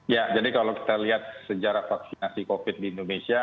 ya jadi kalau kita lihat sejarah vaksinasi covid di indonesia